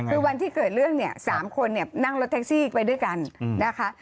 คือวันที่เกิดเรื่องเนี่ย๓คนเนี่ยนั่งรถแท็กซี่ไปด้วยกันนะคะ